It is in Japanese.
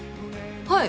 はい。